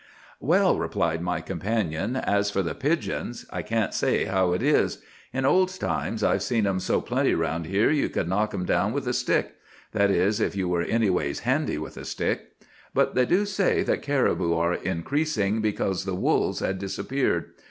"'Well,' replied my companion, as for the pigeons, I can't say how it is. In old times I've seen them so plenty round here you could knock them down with a stick; that is, if you were anyways handy with a stick. But they do say that caribou are increasing because the wolves have disappeared.